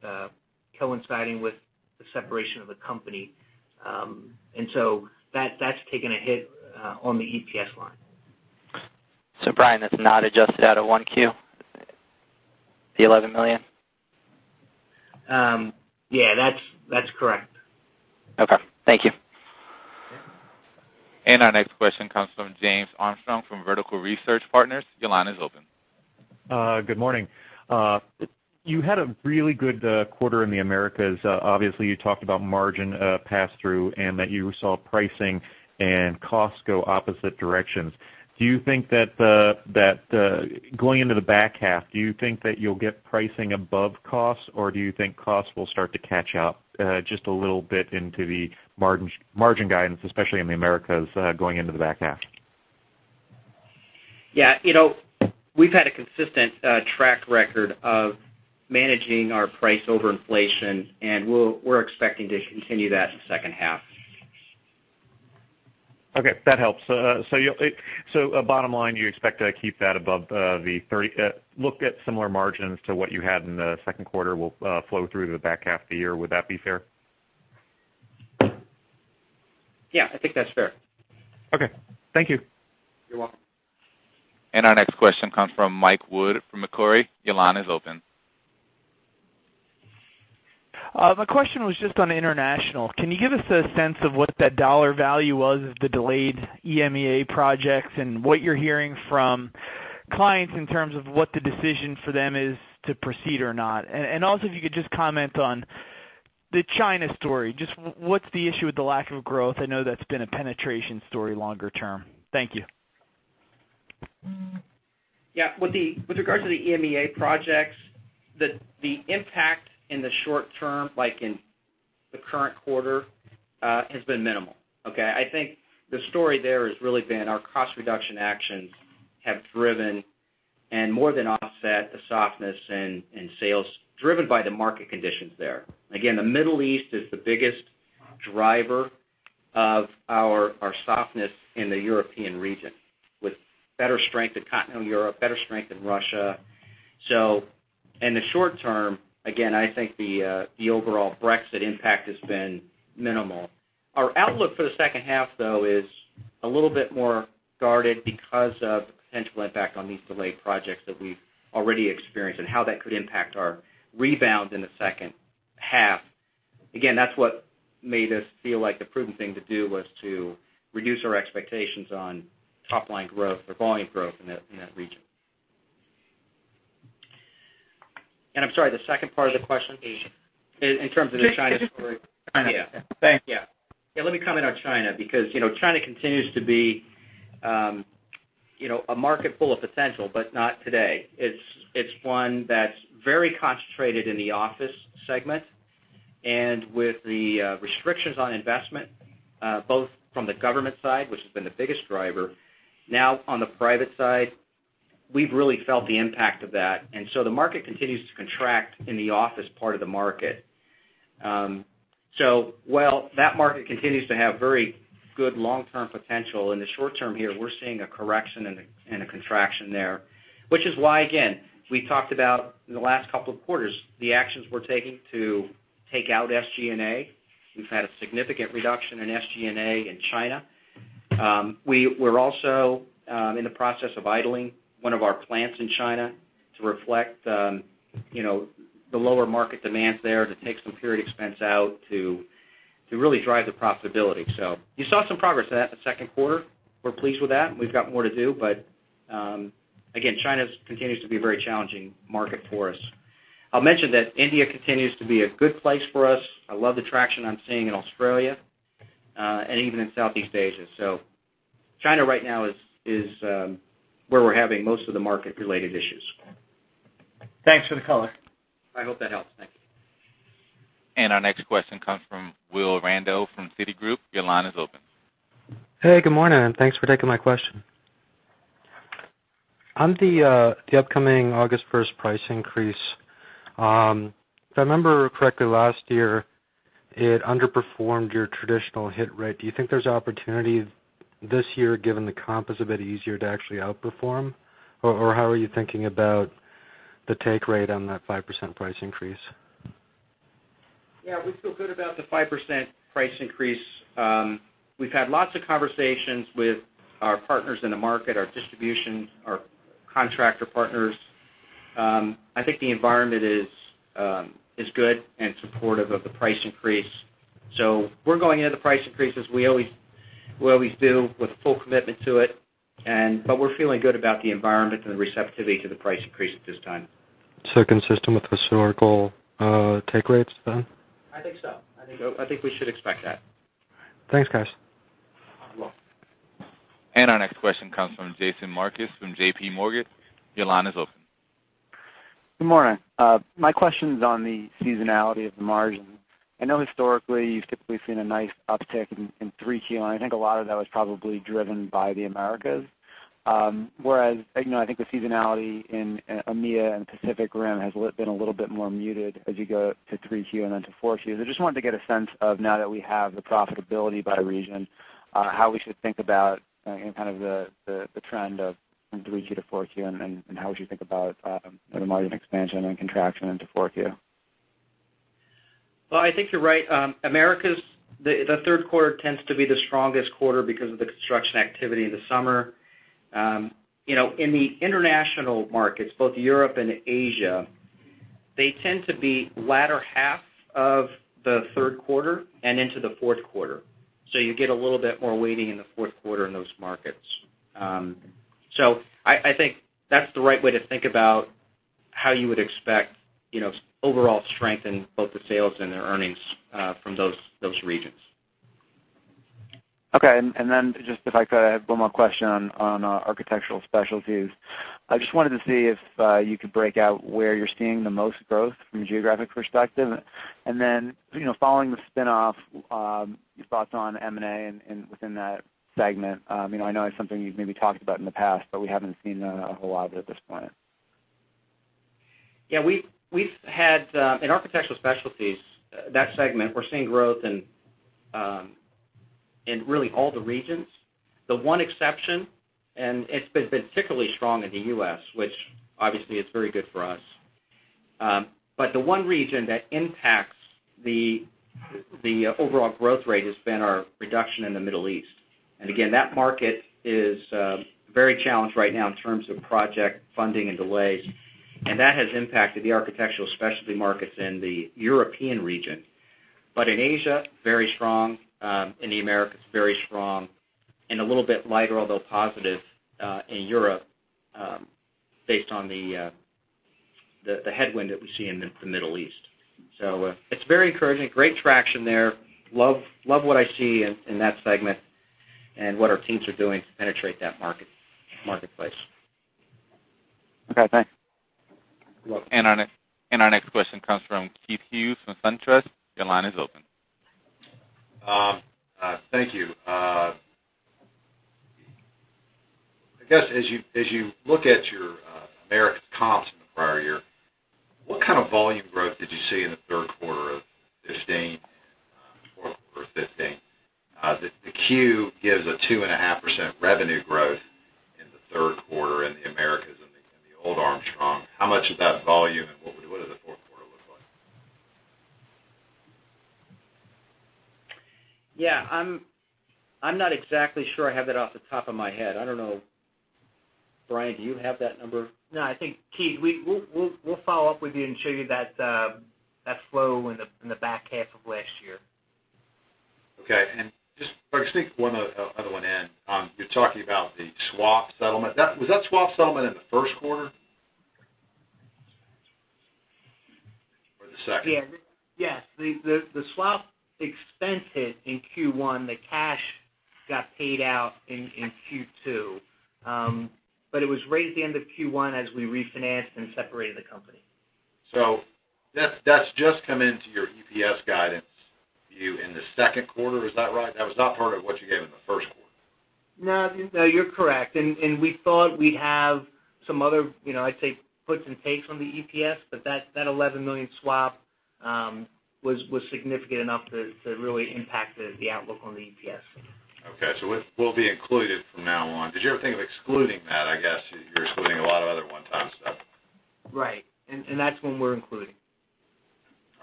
coinciding with the separation of the company. That's taken a hit on the EPS line. Brian, that's not adjusted out of 1Q, the $11 million? Yeah, that's correct. Okay. Thank you. Our next question comes from James Armstrong from Vertical Research Partners. Your line is open. Good morning. You had a really good quarter in the Americas. Obviously, you talked about margin pass-through and that you saw pricing and costs go opposite directions. Going into the back half, do you think that you'll get pricing above costs, or do you think costs will start to catch up just a little bit into the margin guidance, especially in the Americas, going into the back half? Yeah. We've had a consistent track record of managing our price over inflation, and we're expecting to continue that the second half. Okay. That helps. Bottom line, you expect to keep that above the 30-- look at similar margins to what you had in the second quarter will flow through to the back half of the year. Would that be fair? Yeah, I think that's fair. Okay. Thank you. You're welcome. Our next question comes from Mike Wood from Macquarie. Your line is open. My question was just on international. Can you give us a sense of what that dollar value was of the delayed EMEA projects and what you're hearing from clients in terms of what the decision for them is to proceed or not? Also, if you could just comment on the China story, just what's the issue with the lack of growth? I know that's been a penetration story longer term. Thank you. Yeah. With regards to the EMEA projects, the impact in the short term, like in the current quarter, has been minimal, okay? I think the story there has really been our cost reduction actions have driven and more than offset the softness in sales driven by the market conditions there. Again, the Middle East is the biggest driver of our softness in the European region, with better strength in continental Europe, better strength in Russia. In the short term, again, I think the overall Brexit impact has been minimal. Our outlook for the second half, though, is a little bit more guarded because of the potential impact on these delayed projects that we've already experienced and how that could impact our rebound in the second half. Again, that's what made us feel like the prudent thing to do was to reduce our expectations on top-line growth or volume growth in that region. I'm sorry, the second part of the question? Asia. In terms of the China story? China. Yeah. Thanks. Yeah, let me comment on China continues to be a market full of potential, but not today. It's one that's very concentrated in the office segment. With the restrictions on investment, both from the government side, which has been the biggest driver, now on the private side, we've really felt the impact of that. The market continues to contract in the office part of the market. While that market continues to have very good long-term potential, in the short term here, we're seeing a correction and a contraction there. Which is why, again, we talked about in the last couple of quarters, the actions we're taking to take out SG&A. We've had a significant reduction in SG&A in China. We're also in the process of idling one of our plants in China to reflect the lower market demands there, to take some period expense out to really drive the profitability. You saw some progress in that the second quarter. We're pleased with that, and we've got more to do. Again, China continues to be a very challenging market for us. I'll mention that India continues to be a good place for us. I love the traction I'm seeing in Australia, and even in Southeast Asia. China right now is where we're having most of the market-related issues. Okay. Thanks for the color. I hope that helps. Thank you. Our next question comes from Will Randow from Citigroup. Your line is open. Hey, good morning, and thanks for taking my question. On the upcoming August 1st price increase, if I remember correctly, last year, it underperformed your traditional hit rate. Do you think there's opportunity this year, given the comp is a bit easier to actually outperform? Or how are you thinking about the take rate on that 5% price increase? Yeah, we feel good about the 5% price increase. We've had lots of conversations with our partners in the market, our distribution, our contractor partners. I think the environment is good and supportive of the price increase. We're going into the price increase as we always do, with full commitment to it. We're feeling good about the environment and the receptivity to the price increase at this time. Consistent with historical take rates, then? I think so. I think we should expect that. Thanks, guys. You're welcome. Our next question comes from Jason Markus from J.P. Morgan. Your line is open. Good morning. My question's on the seasonality of the margin. I know historically you've typically seen a nice uptick in 3Q, and I think a lot of that was probably driven by the Americas. Whereas, I think the seasonality in EMEA and Pacific Rim has been a little bit more muted as you go to 3Q and then to 4Q. I just wanted to get a sense of, now that we have the profitability by region, how we should think about the trend of from 3Q to 4Q, and how we should think about the margin expansion and contraction into 4Q. Well, I think you're right. Americas, the third quarter tends to be the strongest quarter because of the construction activity in the summer. In the international markets, both Europe and Asia, they tend to be latter half of the third quarter and into the fourth quarter. You get a little bit more weighting in the fourth quarter in those markets. I think that's the right way to think about how you would expect overall strength in both the sales and the earnings from those regions. Okay. Just if I could add one more question on Architectural Specialties. I just wanted to see if you could break out where you're seeing the most growth from a geographic perspective. Following the spin-off, your thoughts on M&A and within that segment. I know it's something you've maybe talked about in the past, but we haven't seen a whole lot of it at this point. Yeah. In Architectural Specialties, that segment, we're seeing growth in really all the regions. The one exception, it's been particularly strong in the U.S., which obviously is very good for us. The one region that impacts the overall growth rate has been our reduction in the Middle East. Again, that market is very challenged right now in terms of project funding and delays. That has impacted the Architectural Specialty markets in the European region. In Asia, very strong. In the Americas, very strong and a little bit lighter, although positive, in Europe, based on the headwind that we see in the Middle East. It's very encouraging. Great traction there. Love what I see in that segment and what our teams are doing to penetrate that marketplace. Okay, thanks. You're welcome. Our next question comes from Keith Hughes from SunTrust. Your line is open. Thank you. I guess, as you look at your Americas comps in the prior year, what kind of volume growth did you see in the third quarter of 2015 and fourth quarter of 2015? The 10-Q gives a 2.5% revenue growth in the third quarter in the Americas in the old Armstrong. How much of that volume, what did the fourth quarter look like? I'm not exactly sure I have that off the top of my head. I don't know. Brian, do you have that number? I think, Keith, we'll follow up with you and show you that flow in the back half of last year. Just, if I could sneak one other one in. You're talking about the swap settlement. Was that swap settlement in the first quarter or the second? Yes. The swap expense hit in Q1, the cash got paid out in Q2. It was right at the end of Q1 as we refinanced and separated the company. That's just come into your EPS guidance view in the second quarter. Is that right? That was not part of what you gave in the first quarter. No, you're correct. We thought we'd have some other, I'd say, puts and takes on the EPS, but that $11 million swap was significant enough to really impact the outlook on the EPS. Okay. It will be included from now on. Did you ever think of excluding that? I guess you're excluding a lot of other one-time stuff. Right. That's when we're including.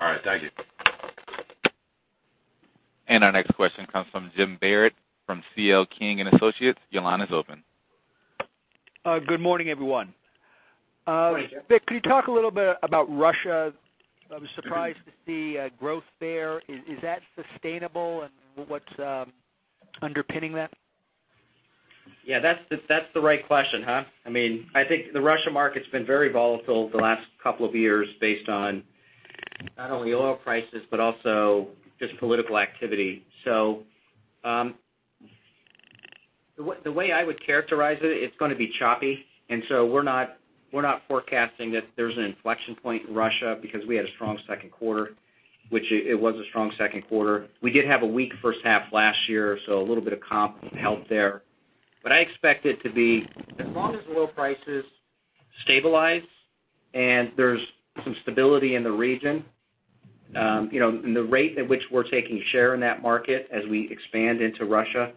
All right. Thank you. Our next question comes from Jim Barrett from CL King & Associates. Your line is open. Good morning, everyone. Morning, Jim. Vic, could you talk a little bit about Russia? I was surprised to see growth there. Is that sustainable and what's underpinning that? Yeah, that's the right question, huh? I think the Russia market's been very volatile the last couple of years based on not only oil prices, but also just political activity. The way I would characterize it's going to be choppy. We're not forecasting that there's an inflection point in Russia because we had a strong second quarter, which it was a strong second quarter. We did have a weak first half last year, so a little bit of comp help there. I expect it to be, as long as oil prices stabilize and there's some stability in the region, and the rate at which we're taking share in that market as we expand into Russia,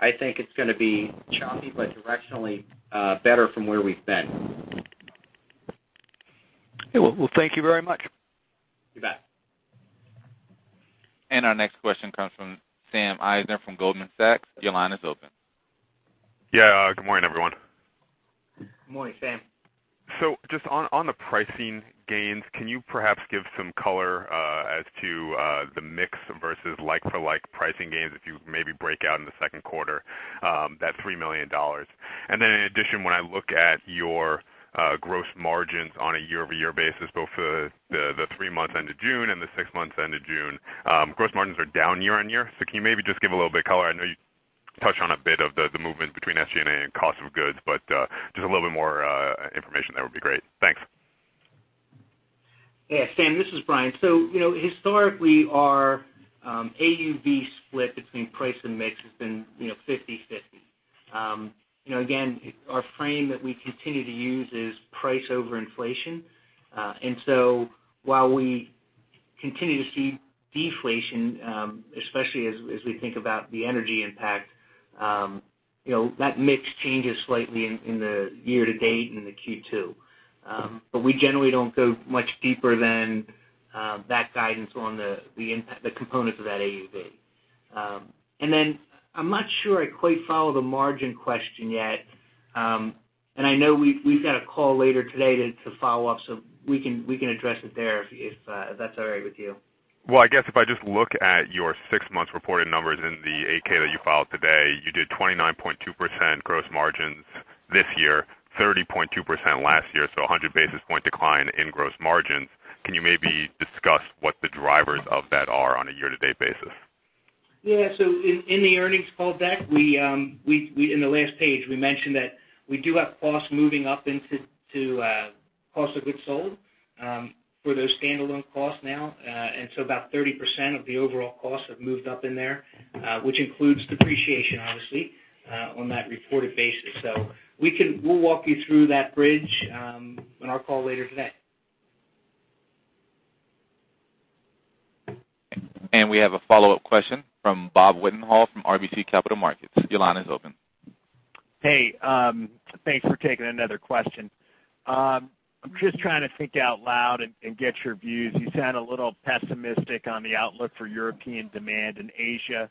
I think it's going to be choppy, but directionally, better from where we've been. Okay. Well, thank you very much. You bet. Our next question comes from Sam Eisner from Goldman Sachs. Your line is open. Yeah. Good morning, everyone. Morning, Sam. Just on the pricing gains, can you perhaps give some color as to the mix versus like-for-like pricing gains, if you maybe break out in the second quarter, that $3 million? In addition, when I look at your gross margins on a year-over-year basis, both for the three months end of June and the six months end of June, gross margins are down year-on-year. Can you maybe just give a little bit color? I know you touched on a bit of the movement between SG&A and cost of goods, just a little bit more information there would be great. Thanks. Yeah, Sam, this is Brian. Historically, our AUV split between price and mix has been 50/50. Again, our frame that we continue to use is price over inflation. While we continue to see deflation, especially as we think about the energy impact, that mix changes slightly in the year-to-date and the Q2. We generally don't go much deeper than that guidance on the components of that AUV. I'm not sure I quite follow the margin question yet. I know we've got a call later today to follow up, so we can address it there if that's all right with you. I guess if I just look at your six months reported numbers in the 8-K that you filed today, you did 29.2% gross margins this year, 30.2% last year. 100 basis point decline in gross margins. Can you maybe discuss what the drivers of that are on a year-to-date basis? Yeah. In the earnings call, Sam, in the last page, we mentioned that we do have costs moving up into cost of goods sold for those standalone costs now. About 30% of the overall costs have moved up in there, which includes depreciation, obviously, on that reported basis. We'll walk you through that bridge on our call later today. We have a follow-up question from Bob Wetenhall from RBC Capital Markets. Your line is open. Hey, thanks for taking another question. I'm just trying to think out loud and get your views. You sound a little pessimistic on the outlook for European demand and Asia.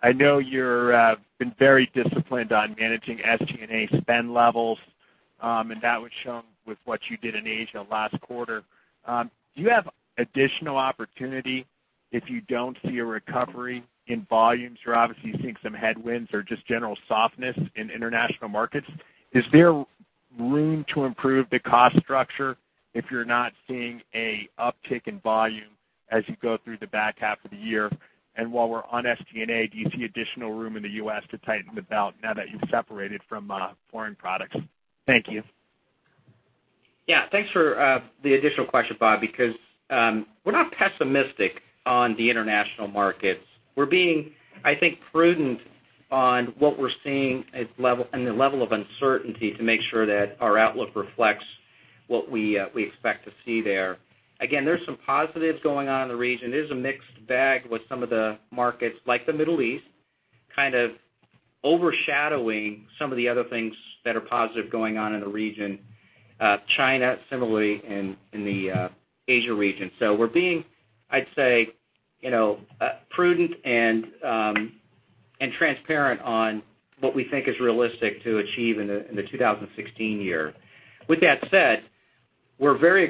I know you've been very disciplined on managing SG&A spend levels, and that was shown with what you did in Asia last quarter. Do you have additional opportunity if you don't see a recovery in volumes? You're obviously seeing some headwinds or just general softness in international markets. Is there room to improve the cost structure if you're not seeing an uptick in volume as you go through the back half of the year? While we're on SG&A, do you see additional room in the U.S. to tighten the belt now that you've separated from foreign products? Thank you. Yeah, thanks for the additional question, Bob, because we're not pessimistic on the international markets. We're being, I think, prudent on what we're seeing and the level of uncertainty to make sure that our outlook reflects what we expect to see there. Again, there's some positives going on in the region. There's a mixed bag with some of the markets, like the Middle East, kind of overshadowing some of the other things that are positive going on in the region. China, similarly in the Asia region. We're being, I'd say, prudent and Transparent on what we think is realistic to achieve in the 2016 year. With that said, we're very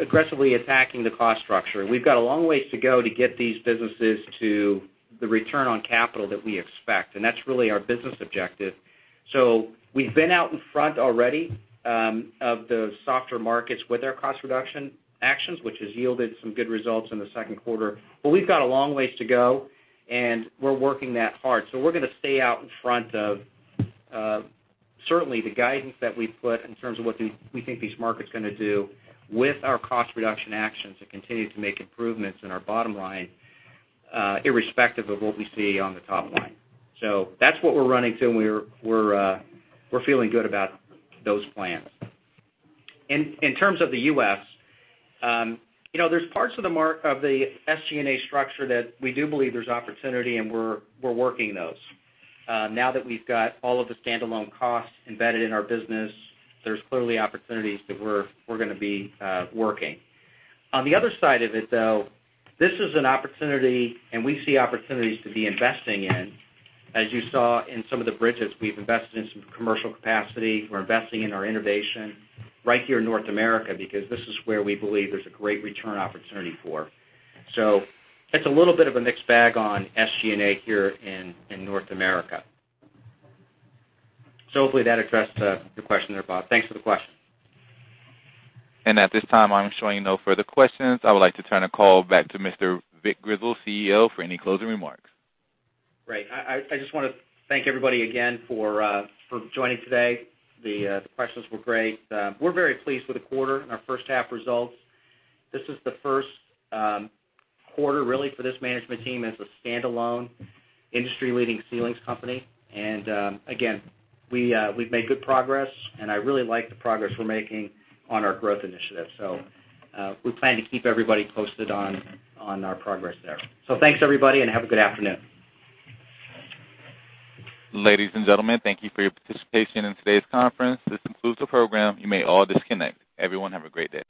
aggressively attacking the cost structure. We've got a long ways to go to get these businesses to the return on capital that we expect, and that's really our business objective. We've been out in front already of the softer markets with our cost reduction actions, which has yielded some good results in the second quarter. We've got a long ways to go, and we're working that hard. We're going to stay out in front of certainly the guidance that we've put in terms of what we think these markets are going to do with our cost reduction actions and continue to make improvements in our bottom line, irrespective of what we see on the top line. That's what we're running to, and we're feeling good about those plans. In terms of the U.S., there's parts of the SG&A structure that we do believe there's opportunity, and we're working those. Now that we've got all of the standalone costs embedded in our business, there's clearly opportunities that we're going to be working. On the other side of it, though, this is an opportunity, and we see opportunities to be investing in. As you saw in some of the bridges, we've invested in some commercial capacity. We're investing in our innovation right here in North America because this is where we believe there's a great return opportunity for. It's a little bit of a mixed bag on SG&A here in North America. Hopefully that addressed your question there, Bob. Thanks for the question. At this time, I'm showing no further questions. I would like to turn the call back to Mr. Vic Grizzle, CEO, for any closing remarks. Great. I just want to thank everybody again for joining today. The questions were great. We're very pleased with the quarter and our first half results. This is the first quarter, really, for this management team as a standalone industry-leading ceilings company. Again, we've made good progress, and I really like the progress we're making on our growth initiatives. We plan to keep everybody posted on our progress there. Thanks, everybody, and have a good afternoon. Ladies and gentlemen, thank you for your participation in today's conference. This concludes the program. You may all disconnect. Everyone have a great day.